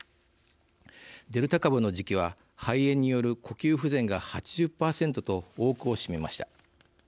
デルタ株の時期は肺炎による呼吸不全が８０％と多くを占めました。